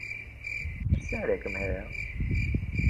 پرسیارێکم هەیە